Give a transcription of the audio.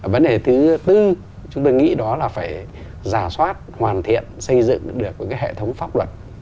vấn đề thứ tư chúng tôi nghĩ đó là phải giả soát hoàn thiện xây dựng được một hệ thống pháp luật